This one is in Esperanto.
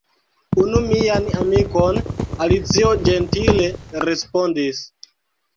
"Unu mian amikon," Alicio ĝentile respondis. "